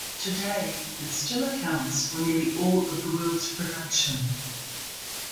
Today, it still accounts for nearly all of the world's production.